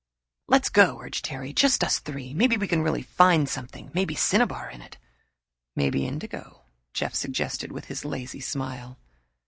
"Let's go," urged Terry. "Just us three. Maybe we can really find something. May be cinnabar in it." "May be indigo," Jeff suggested, with his lazy smile.